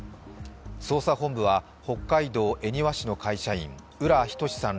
捜査本部は北海道恵庭市の会社員、浦仁志さん